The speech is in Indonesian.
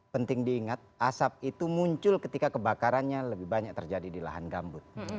penting diingat asap itu muncul ketika kebakarannya lebih banyak terjadi di lahan gambut